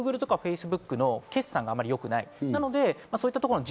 ＧｏｏｇｌｅやＦａｃｅｂｏｏｋの決算が良くない。